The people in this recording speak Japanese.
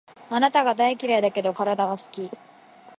あなたが大嫌いだけど、体は好き